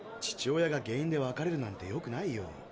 父親が原因で別れるなんてよくないよ。